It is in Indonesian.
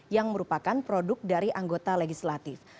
yang merupakan produk dari anggota legislatif